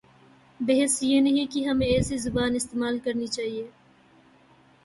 بحث یہ نہیں کہ ہمیں ایسی زبان استعمال کرنی چاہیے۔